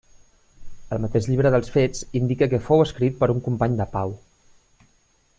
El mateix llibre dels Fets indica que fou escrit per un company de Pau.